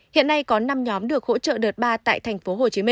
hiện nay có năm nhóm được hỗ trợ đợt ba tại tp hcm